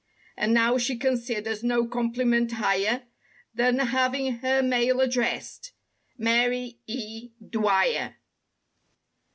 And now she considers no compliment higher, Than having her mail addressed— "Mary E. Dwyer."